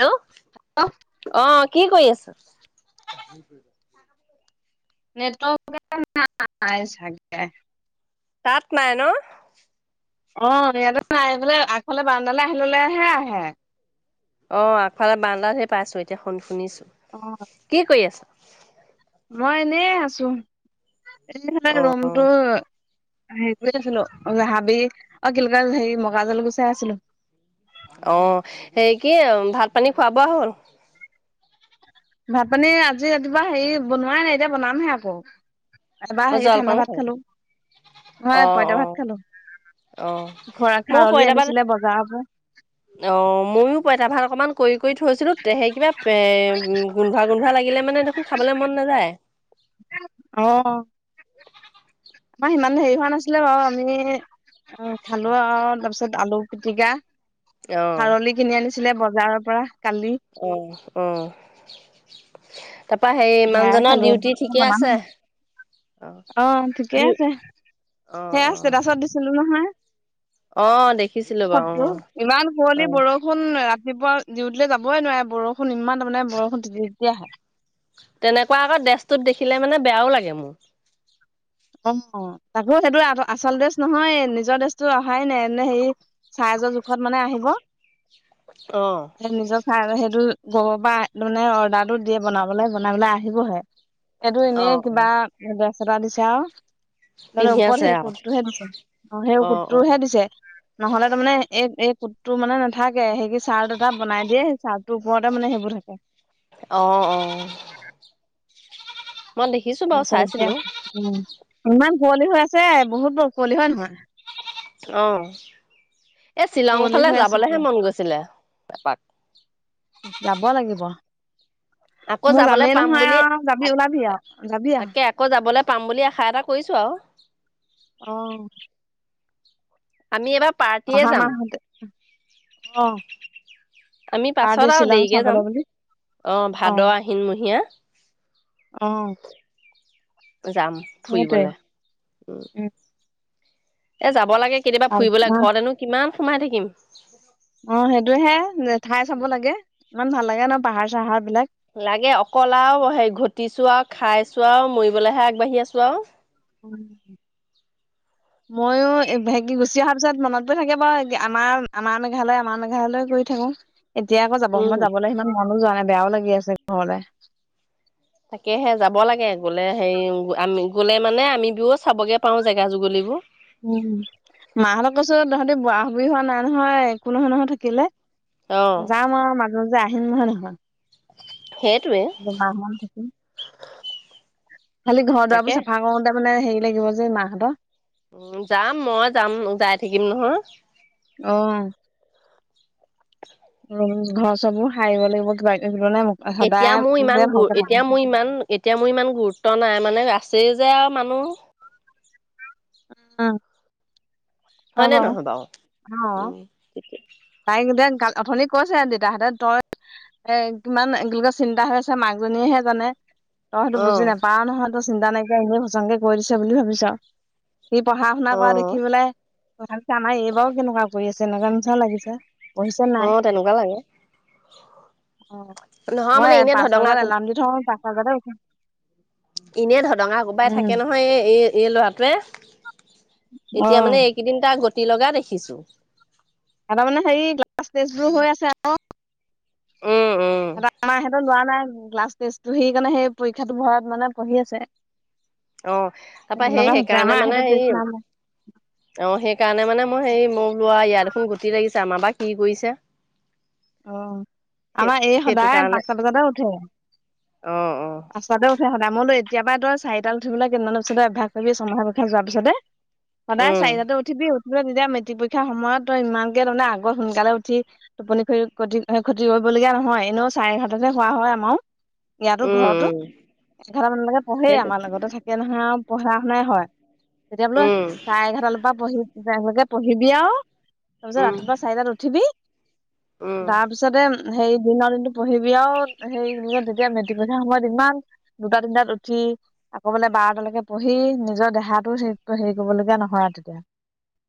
Hello অ' কি কৰি আছে? [inaudible] নেটৰ্ৱক নাই চাগে তাত নাই ন? অ ইয়াতে নাই এইফালে আগফালে বাৰাণ্ডালৈ আহি ল'লেহে আহে। অ' আগফালে বাৰাণ্ডাতহে পাইছো এতিয়া শুন- শুনিছো। অ', কি কৰি আছা। মই এনেই আছো। এ অ ৰুমটো। সেইটোৱে আছিলো হাবি, অ'কি বুলি কয় হেৰি মকৰাজাল গুচাই আছিলো। অ' সে কি ভাত পানী খোৱা-বোৱা হ'ল? ভাত পানী আজি ৰাতিপুৱা হেৰি বনোৱাই নাই এতিয়া বনামহে আকৌ। এবাৰ অ হেৰি জলপান ঠাণ্ডা ভাত খাই খালো, অ নহয় অ পঁইতা ভাত খালো অ ঘৰা ময়ো খাৰলি পইতা ভাত আনিছিলে বজাৰৰ পৰা। অ' ময়ো পঁইতা ভাত অকমান কৰি কৰি থৈছিলো সেই কিবা এ ', গোন্ধোৱা -গোন্ধোৱা লাগিলে মানে দেখোন খাবলে মন নাযায়। অ আমাৰ সিমান হেৰি হোৱা নাছিলে, বাৰু আমি অ', খালো আৰু তাৰপিছত আলু- পিতিকা, খাৰলি কিনি আনিছিলে বৰ্ত, - - জাৰৰ পৰা, - অহ ', অহ্ সেয়াই খালো অ ', ঠিকে ডিউ আছে অ সেয়া অ ষ্টেটেটাচত দিছিলো নহয়। অ দেখিছিলো বাৰু চবটো অ ইমান শুৱলি অ বৰষুণ ৰাতি, - ৰাতিপুৱা ডিউটিলৈ যাবই নোৱাৰে বৰষুণ ইমান, তাৰমানে বৰষুণ যেতিয়া - তেতিয়া আহে। তেনেকুৱা আকৌ ড্ৰেছটোত দেখিলে মানে, বেয়াও লাগে মোৰ। অ', - তাকো সেইটো আচল ড্ৰেছ নহয়, নিজৰ ড্ৰেছটো আহাই নাই এ ', হেৰি চাইজৰ জোখত মানে আহিব। অ', নিজৰ খাই আৰু সেইটো, পা একো মানে অৰ্ডাৰটো দিয়ে বনাবলে বনাই পেলাই আহিবহে এইটো, এনেই অ'। কিবা, - চেতনা দিছে আও তাৰমানে পিন্ধি আছে ওপৰত সেই আৰু সোতটোহে দিছে সেই অ', অ', সোতটোহে দিছে, নহলে তাৰমানে এক, - এক, হুটটো মানে নাথাকে সেই কি চাৰ্ত এটা বনাই দিয়ে সেই চাৰ্ত, টোপতে মানে সেইবোৰ থাকে। অ', অ', মই দেখিছো বাৰু চাইছিলো [unintelligible] কুঁৱলি হৈ আছে বহুত ব', কুঁৱলি হয় - নহয়? অ ', এই শ্বিলং কুঁৱলী ফালে হৈ আছে যাবলেহে পুৰা মন গৈছিলে। তেপাত। যাব লাগিব। আকৌ মোৰ যাবলৈ যামেই পাম নহয় বুলি আৰু যাবি ওলাবি আৰু যাবি আৰু তাকে আকৌ যাবলৈ পাম বুলি আশা এটা কৰিছো, আৰু, অ আমি এইবাৰ, পাৰ্টিয়ে অহা যাম। মাহতে অ আমি পাৰ্টি পাছত আৰু শ্বিলং দেৰিকে চাবলৈ যাম বুলি অ ', ভাদ- আহিনমহীয়া। অহ ', - [inaudible] যাম ফুৰিবলে। উম এ', যাব। হ'ব লাগে কেতিয়াবা অ ফুৰিবলে ঘৰত এনো কিমান, - সোমাই থাকিম। অ ', সেইটোহে নে ঠাই চাব লাগে। ইমান ভাল লাগে ন', পাহাৰ -চাহাৰ বিলাক। লাগে অকল আৰু হে ঘটিছো আৰু খাইছো আৰু মৰিবলৈহে আগবাঢ়ি আছো আৰু। ময়ো হেক গুচি অহাৰ পিছত মনত গ থাকে বাৰু আমাৰ আমাৰ মেঘালয় আমাৰ মেঘালয় কৰি থাকো। এতিয়া আকৌ যাব সময়ত উম। যাবলৈ সিমান। মানুহ জানে বেয়াও লাগি আছে ঘৰলে। তাকেহে যাব লাগে গলে হেৰি আমি গলে মানে আমিবও চাবগে পাও জেগা যুগলিবোৰ। উ মাহঁতক কৈছো তহঁতি বৰাহ হোৱা নাই নহয় একো নহয় নহয় থাকিলে। অঁ যাম আৰু মাজ। যে আহিন মাহত আহ। উ দুমাহ মান থাকিম। খালি ঘৰ তাকে দুৱাৰবোৰ চফা কৰোতে মানে। লাগিব যে মাহ হঁত উ যাম মই যাম যাই থাকিম নহয়। আহ উ ঘৰ চবোৰ সাৰিব লাগিব কিবা কিবি। মানে এতিয়া সদায় মোৰ ইমান গু ভালকে থাকো। এতিয়া মোৰ ইমান এতিয়া মোৰ ইমান গুৰুত্ব নাই মানে ৰা যে যে আৱ মানুহ। অ হয়নে নহয় বাৱ উম। ভায়ংৰদান [unintelligible] গা অথনি কৈছে দেতাহঁতে তই এ কিমান কি বুলি কয় চিন্তা হৈ আছে মাকজনীয়েহে জানে। তই সেইটো বুজি অঁ নেপাও নহয়। চিন্তা নাইকিয়া এনে সচংকে কৈ দিছে বুলি ভাবিছা আৱ। সি পঢ়া শুনা কৰা অঁ দেখি পেলাই কথা পিছে আমাৰ এইবাৰো কেনেকুৱা কৰি আছে এনেকুৱা নিচিনা লাগিছে। পঢ়িছে অ নাই তেনেকুৱা লাগে। অ নহয় মানে এনে ধদঙা সি পাঁচটা বজাতে উঠে ইনিয়ে ধদঙা কোবাই উম থাকে নহয় এই এ। এই ল'ৰাটোৱে। অ এতিয়া মানে এইকেইদিন টা গ। গোতি লগা দেখিছোঁ। তাপা মানে হেৰি ক্লাছ টেষ্ট বোৰ হৈ আছে আক। উম উম সিহঁতে আমাৰ সেত লোৱা নাই। ক্লাছ টেষ্টটো সেইকাৰণে সেই পৰীক্ষাটো ভয়ত মানে পঢ়ি আছে। অ তাপা সেই তেনেকুৱা হৈছে সেইকাৰণে আমাৰ মানে সিহঁতৰ টেষ্ট হেৰি নাই লোৱা অ সেইকাৰণে মানে মই হেৰি মই বোলো আৱ ইয়াৰ দেখোন গোতি লাগিছে আমাৰ বা। কি কৰিছে অ সেই আমাৰ এই সেইটো সদায় কাৰণে পাঁচটা বজাতে উঠে অ অ পাঁচটাতে উঠে সদায় মই লৈ কেতিয়াবা তই চাৰি তাত উঠিবলে কেইদিনমানৰ পিছতে অভ্যাস কৰি ছমাহৰ পৰীক্ষাটো যোৱাৰ পিছতে সদায় উম চাৰিটাতে উঠিবি তেতিয়া মেট্ৰিক পৰীক্ষাৰ সময়ত তই ইমানকে তামানে আগত সোনকালে উঠি টোপনি খ খতি খতি কৰিবলগীয়া নহয় এনেও চাৰে এঘাৰটাত হে শুৱা হয় আমাও ইয়াতো উম ঘৰতো উম এঘাৰটা মানলৈকে পঢ়ে সেইটো আমাৰ লগতে থাকে নহয় আৱ পঢ়া শুনাই হয় তেতিয়া বোলো উম চায়ে এঘাটাৰ পৰা পঢ়ি যায় পঢ়িবি আৱ তাৰপিছত উম ৰাতিপুৱা চাৰিটাত উঠিবি উম তাৰ পিছতে হেৰি দিনৰ দিনটো পঢ়িবি আও, হেৰি তেতিয়া মেটিক পৰীক্ষাৰ সময়ত ইমান দুটা তিনটাত উঠি আকৌ বোলে বাৰটালৈকে পঢ়ি নিজৰ দেহাতো হেৰি কৰিবলগীয়া নহয় আৰু তেতিয়া।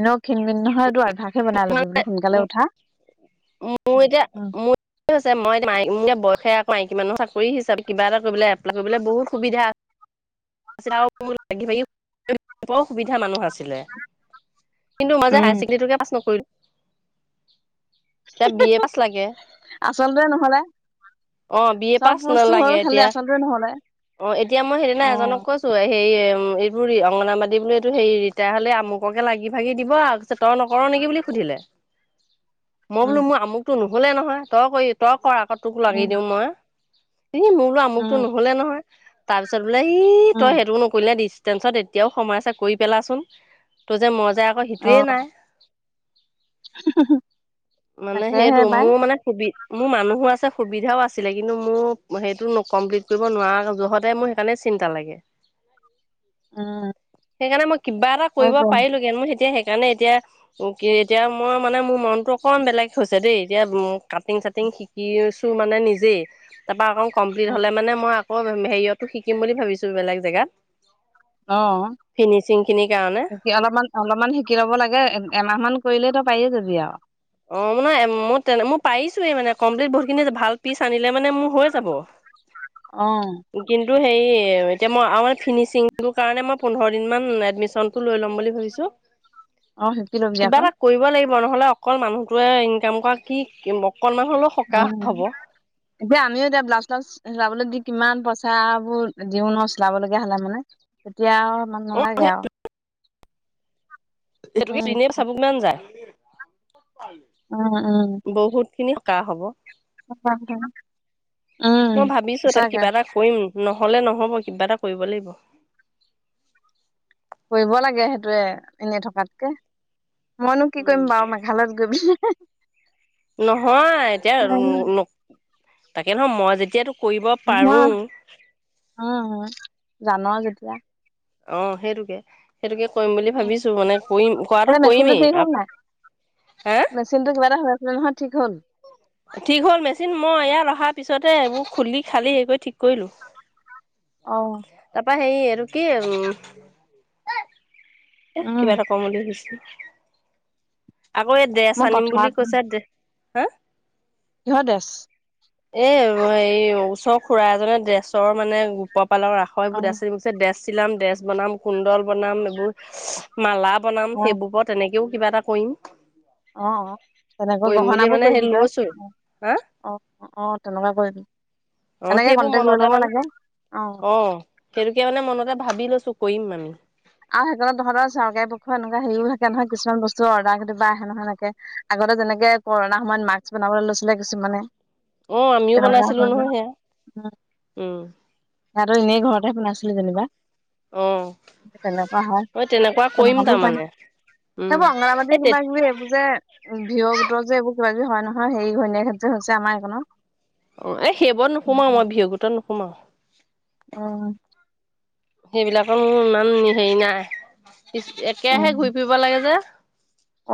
এনেও ক্ষীণ মিন নহয় এইটো অভ্যাসে বনাই ল'বি বোলো সোনকালে উঠা মোৰ এতিয়া উম মোৰ হৈছে মই এতিয়া ম ম বয়সে মাইকী মানুহ চাকৰি হিচাপে কিবা এটা কৰিবলৈ এপ্লাই কৰিবলৈ বহুত সুবিধা। লাগি ভাগি বৰ সুবিধা মানুহ আছিলে কিন্তু মাজে আ উম ক পাছ নকৰিলো। এতিয়া বি এ পাছ লাগে। আচলটোৱে নহলে অ বি এ চব পাছ বস্তু হ'ল নালাগে খালি এতিয়া, আচলটোৱে নহলে অ এতিয়া মই সেইদিনা অ এজনক কৈছো হে উ এইবোৰ ৰি অংনাবাদী বোলে এইটো হেৰি ৰিটায়াৰ হ'লে আমুককে লাগি ভাগি দিব আৰু। পিছত তই নকৰ নেকি বুলি সুধিলে। মই উম বোলো মোৰ আমুতটো নু বোলে নহয় তই কৰি তই কৰা ফটোক উম লাগি দিওঁ মই। ই মোৰ বোলো উম আমুকতটো নহ'লে নহয়। তাৰ পিছত বোলে ই উম তই সেইটোও নকৰিলে দিছ দিছটেন্চত এতিয়াও সময় আছে কৰি পেলা চোন। তো যে যায় আকৌ অ সেইটোৱেই নাই [inaudible] মানে তাকেহে সেইটো বাই মোৰ মানে সুবি মোৰ মানুহো আছে, সুবিধাও আছিলে, কিন্তু মোৰ সেইটো কমপ্লিট কৰিব নোৱাৰা যহতে মোৰ সেইকাৰণে চিন্তা লাগে। উ উম [inaudible] সেইকাৰণে মই কিবা এটা কৰিব সেইটোৱে পাৰিলোগে মই তেতিয়া সেইকাৰণে এতিয়া কি এতিয়া মই মানে মোৰ মনটো অকনমান বেলেগ হৈছে দেই। এতিয়া কাটিং চাটিং শিকিছো মানে নিজেই। তাৰপৰা আকৌ কমপ্লিট উম, হ'লে মানে মই অঁ হেৰিয়তো শিকিম বুলি ভাবছো বেলেগ জেগাত অঁ। ফিনিচিং খিনিৰ কাৰণে শি অলপমান অলপমান শিকি লব লাগে এমাহমান কৰিলেই তো পাৰি যাবি আৰু অঁ মানে মই মই পাৰিছোই মানে কমপ্লিট বহুতখিনি ভাল পিছ আনিলে মানে মোৰ হৈ যাব অহ হেই এতিয়া মই ফিনিচিং কাৰণে মই পোন্ধৰ দিনমান এডমিশনটো লৈ লম বুলি ভাবিছো। অঁ শিকি ল'ব যে আকৌ। মান হলে অকল মানুহটোৱে ইনকাম কৰা কি? অকনমান হ'লেও উ সকাহ হ'ব। এতিয়া আমিও অঁ এতিয়া ব্লাছউ চেলাউছ যাবলৈ দি। কিমান পইচাঁবোৰ দিওঁ ন চিলাব লগীয়া হলে মানে তেতিয়া আৰু। ইমান অ' নালাগে আৰু সিহেতোকে পিনে চাব মন যায়। উম, উম, বহুত খিনি। কাহঁ হ'ব। উম, মই ভাবিছো তাক সঁচাকে কিবা এটা কৰিম নহলে নহব কিবা এটা। কৰিব লাগিব। কৰিব লাগে সেইটোয়ে। এনেই থকাতকে। মইনো কি উম, কৰিম বাৰু মেঘালয়ত গৈ। নহয় এতিয়া তাকে নহয় মই যেতিয়া। যিহেতু। কৰিব পাৰো। উম, উম, জান যেতিয়া। অঁ সেইটোকে। সেইটোকে কৰিম বুলি ভাবিছোঁ মানে কৰিম কৰাটো এতিয়া মেচিনটো কৰিমেই ঠিক হ'ল আকৌ নাই হাঁ। মেচিনটো কিবা এটা হৈ আছিলে নহয় ঠিক হল। ঠিক হ'ল মেচিন মই ইয়াত অহাৰ পিছতে এইবোৰ খুলি খালি হে কৰি ঠিক কৰিলো। অঁহ। সেই আৰু কি। এ উম কিবা এটা কম বুলি ভাৱিছিলো। আকৌ এই মই ড্ৰেছ আনিম পথাৰত বুলি উম, কৈছে ডে। হে। কিহৰ ড্ৰেছ এ হেৰি ওচৰৰ খুৰা এজনে ড্ৰেছৰ মানে গোপত পালৰ অ আখয়বোৰ ড্ৰেচ আনিছে দে চিলাম ড্ৰেছ বনাম কুণ্ডল বনাম এইবোৰ মালা বনাম অ সেইবুকত তেনেকেওঁ কিবা এটা কৰিম। অ অ তেনেকৈ কৰিম বুলি গহনাবোৰ মানে সেই কৰিবি তই। লৈছোৱে হা অ অ অ তেনকা কৰিবি অ এনেকে সেইবোৰ কণ্টেক্ট লৈ মনতে ল'ব মানে লাগে, অ সেইটোকে মানে মনতে ভাবি লৈছো কৰিম আমি। আৰু সেইকাৰণত তহঁতৰ চৰকাৰী পক্ষ এনেকোৱা হেৰিও থাকে নহয়, কিছুমান বস্তু অৰ্ডাৰ কিবা আহে নহয় এনেকে, আগতে যেনেকে কৰোণাৰ সময়ত মাস্ক বনাবলৈ লৈছিলে কিছুমানে। অ আমিও তেনেকুৱা বনাইছিলো হয় যে নহয় সেয়া। উম। তহাতক এনেই ঘৰতে শুনাইছিলে যেনিবা। অহ। তেনেকোৱা হয় তেনেকোৱাবোৰ পায়। উম সেইবোৰ অংগৰাবাদী এই তে কিবা কিবি এইবোৰ যে ভিঅ গোটৰ যে এইবোৰ কিবাকিবি হয় নহয় হেই ঘৈনীয়েক হেত যে হৈছে আমাৰ এইখনত। অ এই সেইবোৰত নোসোমাওঁ মই ভী অ গোতত নু সোমাও অ। সেইবিলাকৰ মোৰ ইমান হেৰি নাই উম। একেৰাহে ঘূৰি ফুৰিব লাগে যে।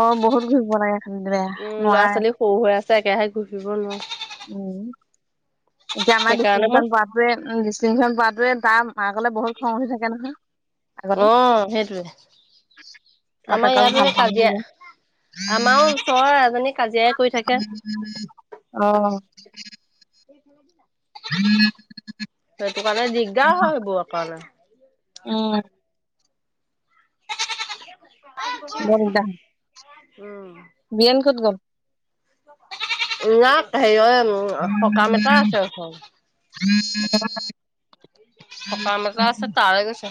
অ বহুত ঘূৰিব লাগে খালী দে উম, ল'ৰা নোৱাৰে। ছোৱালী সৰু হৈ একেৰাহে ঘূৰি ফুৰিব নোৱাৰোঁ। উম এতিয়া আমাৰ সেইকাৰণে মই ডিষ্টিংচন পোৱাটোৱে উ ডিষ্টিংচন পোৱাটোৱে তাৰ মা কলে বহুত খং উঠি থাকে নহয়। আগতে অহ সেইটোৱে। আমাৰ বাপেকক ইয়াতো ভাল সে পাওঁ বুলি কাজিয়া, কয় আমাৰো ওচৰৰ এজনী কাজিয়াই কৰি থাকে। অ। [inaudible] [unintelligible] সেইটো কাৰণে দিগদাৰ হয় সেইবোৰ কাৰণে। উম। [unintelligible] [unintelligible] উম। বিয়েন ক'ত গ'ল? ন সেৰি অ [unintelligible] উম সকাম এটা আছে ওচৰত। [unintelligible] সকাম এটা আছে তালে গৈছে।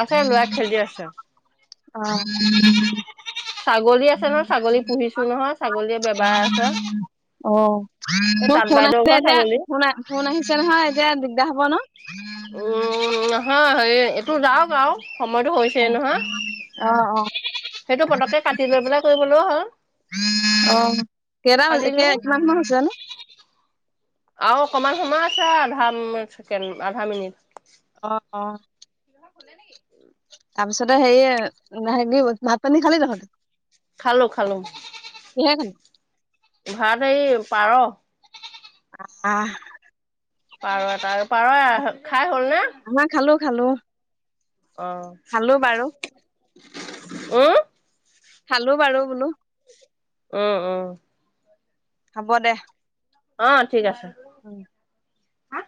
আছে ল'ৰাই খেলি আছে। অহ। [unintelligible] ছাগলী আছে ন, ছাগলী পুহিছো নহয় ছাগলীয়ে বেবাই আছে। অঁ। এই মোৰ তাঁত ফোন বাইদেউৰ আছে ঘৰ এতিয়া, ছাগলী। ফোন ফোন আহিছে নহয়। দিগদা হব ন? অ [unintelligible] অ হে এইটো যাওক আৰু সময়টো হৈছে নহয়, অ অ সেইটো পতককে কাটি লৈ পেলাই কৰিবলৈও হ'ল। অ কেইটা কাটি হৈছে লৈ কিমান মান হৈছে ইনেই? আৰু অকনমান সময় আছে আধা আধা মিনিট। আহ অঁ। খোলে নেকি। তাৰপিছতে সেৰি হে ভাত পানী খালি দেখোন। খালো খালোঁ। [unintelligible] ভাত এই পাৰ। আ। পাৰৱত আৰু [unintelligible] পাৰ খাই হ'ল নে? খালোঁ। অঁ। আহ [unintelligible] খালো বাৰু বোলো। উম উম। হ'ব দে। অ ঠিক আছে। উম। হা [unintelligible]